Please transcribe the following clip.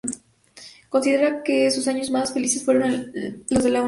Considera que sus años más felices fueron los de la Unidad Popular.